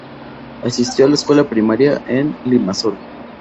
Asistió a la escuela primaria en Limasol.